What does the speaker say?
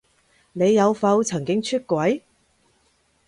你有否曾經出軌？